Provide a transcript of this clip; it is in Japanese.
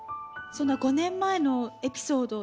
そんな５年前のエピソード。